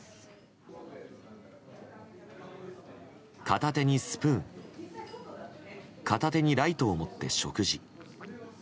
片手にスプーン片手にライトを持って食事。